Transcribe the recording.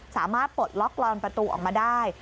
สามารถปลดล็อกลอนประตูออกมาได้